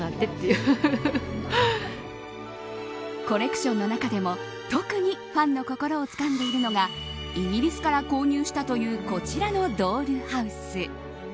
コレクションの中でも特にファンの心をつかんでいるのがイギリスから購入したというこちらのドールハウス。